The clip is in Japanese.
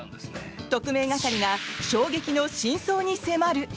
特命係が衝撃の真相に迫る！